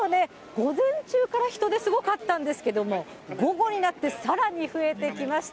午前中から人出すごかったんですけれども、午後になってさらに増えてきました。